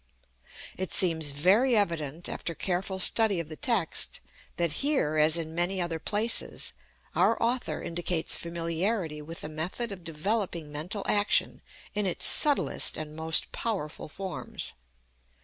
It seems very evident, after careful study of the text, that here, as in many other places, our author indicates familiarity with the method of developing mental action in its subtlest and most powerful forms.